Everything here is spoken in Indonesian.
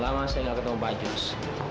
lama saya gak ketemu pak jus